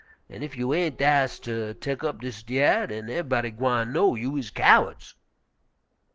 An' ef you ain't dast ter tek up dis dyar', den ev'yb'dy gwine know you is cowerds.'